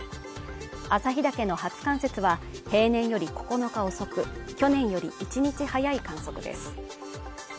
旭岳の初冠雪は平年より９日遅く去年より１日早い観測です